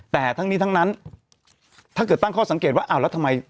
แต่ทั้งนี้ทั้งนั้นถ้าเกิดตั้งข้อสังเกตว่าอ้าวแล้วทำไม